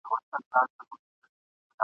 د جسمي فعالیت څخه لوېدل !.